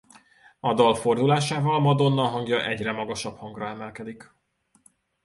A dal fordulásával Madonna hangja egyre magasabb hangra emelkedik.